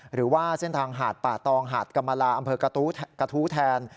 หรือว่าเส้นทางหาดป่าตองหาดกรรมลาอำเภอกระทู้แทน